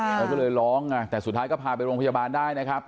แล้วก็เลยร้องไงแต่สุดท้ายก็พาไปโรงพยาบาลได้นะครับ